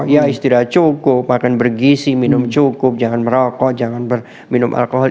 ya istirahat cukup makan bergisi minum cukup jangan merokok jangan berminum alkohol